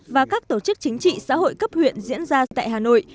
và các tổ chức chính trị xã hội cấp huyện diễn ra tại hà nội